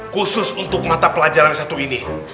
khusus untuk mata pelajaran satu ini